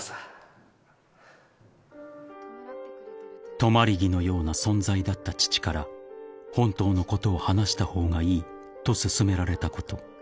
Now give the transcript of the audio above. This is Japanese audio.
［止まり木のような存在だった父から本当のことを話した方がいいと勧められたこと］